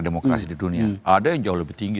demokrasi di dunia ada yang jauh lebih tinggi